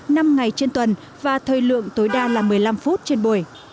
năm ngày trên tuần và thời lượng tối đa là một mươi năm phút trên buổi